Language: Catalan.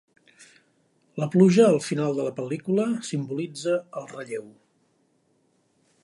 La pluja al final de la pel·lícula simbolitza el relleu.